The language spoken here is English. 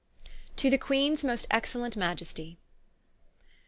To the Queenes most Excellent Majestie.